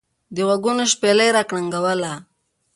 دغوږونو شپېلۍ را کرنګوله.